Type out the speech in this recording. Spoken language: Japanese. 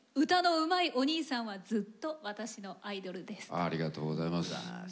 ありがとうございます。